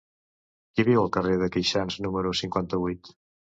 Qui viu al carrer de Queixans número cinquanta-vuit?